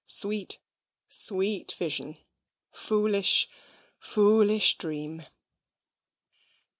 Sweet sweet vision! Foolish foolish dream!